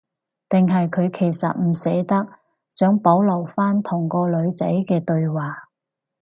定係佢其實唔捨得，想保留返同個女仔嘅對話